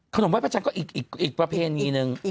ขนมไหว้พระจันตอนนี้เกี่ยวไหมขนมไหว้พระจันตอนนี้เกี่ยวไหม